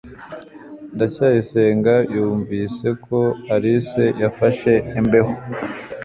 ndacyayisenga yumvise ko alice yafashe imbeho